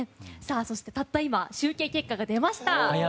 そして、たった今集計結果が出ました。